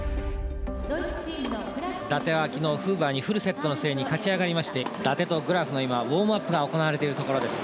伊達は昨日フーバーにフルセットの末に勝ち上がりまして伊達とグラフの今ウォームアップが行われているところです。